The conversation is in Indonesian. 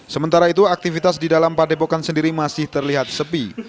sementara itu aktivitas di dalam padepokan sendiri masih terlihat sepi